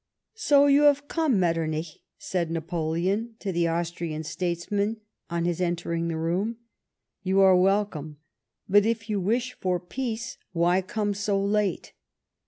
" So you have come, Mefternich," said Napoleon to the Austrian statesman on his entering the room. " You are welcome. But, if you wish for peace, why come so late